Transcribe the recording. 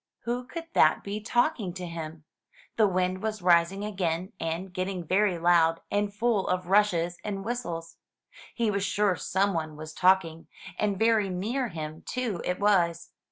Who could that be talking to him? The wind was rising again, and getting very loud, and full of rushes and whistles. He was sure some one was talking — and very near him, too, it was.